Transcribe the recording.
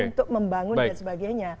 untuk membangun dan sebagainya